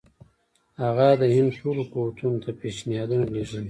هغه د هند ټولو قوتونو ته پېشنهادونه لېږلي.